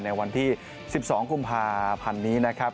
ในวันที่๑๒กุมภาพันธ์นี้นะครับ